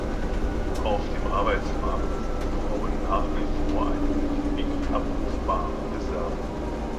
Auf dem Arbeitsmarkt sind Frauen nach wie vor eine beliebig abrufbare Reserve.